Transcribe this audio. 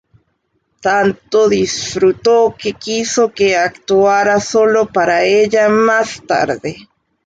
Tanto disfrutó que quiso que actuara solo para ella más tarde.